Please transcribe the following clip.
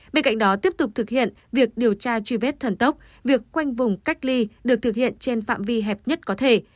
bên cạnh đó tiếp tục thực hiện việc điều tra truy vết thần tốc việc quanh vùng cách ly được thực hiện trên phạm vi hẹp nhất có thể